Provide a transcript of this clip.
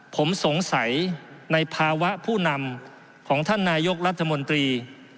ผมสงสัยในภาวะผู้นำของท่านนายกรัฐมนตรี